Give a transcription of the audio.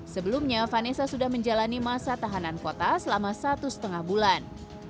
sebelumnya vanessa sudah menjalani masa tahanan kota selama satu setengah bulan